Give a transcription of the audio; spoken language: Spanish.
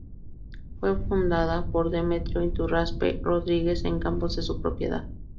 Fue fundada por Demetrio Iturraspe Rodriguez en campos de su propiedad.